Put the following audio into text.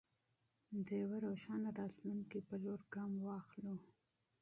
د یوه روښانه راتلونکي په لور ګام واخلو.